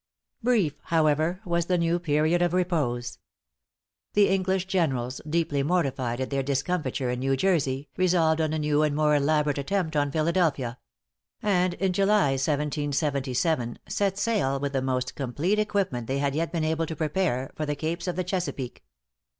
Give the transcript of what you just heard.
Brief, however, was the new period of repose. The English generals, deeply mortified at their discomfiture in New Jersey, resolved on a new and more elaborate attempt on Philadelphia; and in July, 1777, set sail with the most complete equipment they had yet been able to prepare, for the capes of the Chesapeake.